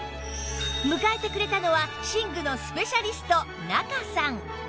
迎えてくれたのは寝具のスペシャリスト仲さん